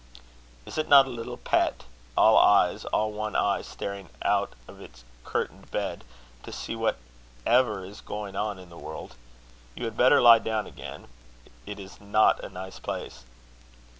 "Is it not a little pet? all eyes all one eye staring out of its curtained bed to see what ever is going on in the world. You had better lie down again: it is not a nice place."